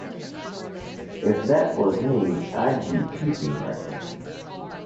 If that was me I'd be puking right now!